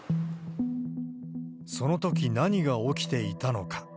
そのとき何が起きていたのか。